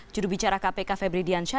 judul bicara kpk febri diansyah